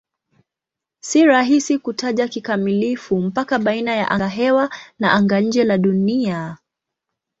Si rahisi kutaja kikamilifu mpaka baina ya angahewa na anga-nje la Dunia.